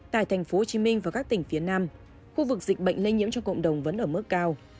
tại tp hcm và các tỉnh phía nam khu vực dịch bệnh lây nhiễm trong cộng đồng vẫn ở mức cao